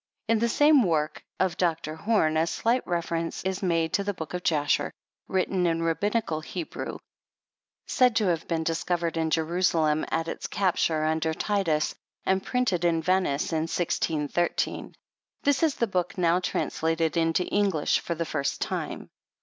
In the same work of Dr. Home, a slight reference is made to the Book of Jasher, written in Rab binical Hebrew^, said to have been discovered in Jerusalem at its capture under Titus, and printed in Venice in 1613. This is the book now trans lated into English for the first time.